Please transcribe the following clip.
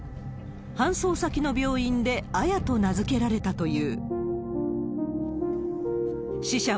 搬送先の病院で、アヤと名付けられたという。